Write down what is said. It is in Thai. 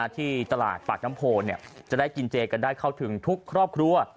ที่ตลาดปากน้ำโพจะได้กินเจกันได้เข้าถึงทุกครอบครัว